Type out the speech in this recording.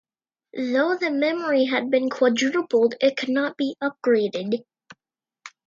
Though the memory had been quadrupled, it could not be upgraded.